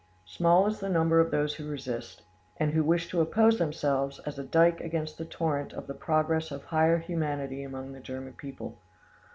"Small is the number of those who resist, and who wish to oppose themselves as a dyke against the torrent of the progress of higher humanity among the German people.